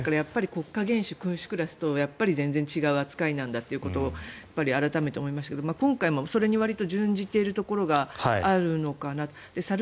国家元首、君主クラスと全然違う扱いなんだとやっぱり改めて思いましたけど今回もそれにわりと準じているところがあるのかな。